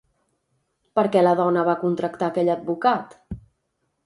Per què la dona va contractar aquell advocat?